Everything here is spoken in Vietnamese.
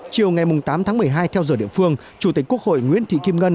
chiều ngày tám tháng một mươi hai theo giờ địa phương chủ tịch quốc hội nguyễn thị kim ngân